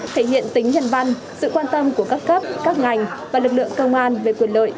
thể hiện tính nhân văn sự quan tâm của các cấp các ngành và lực lượng công an về quyền lợi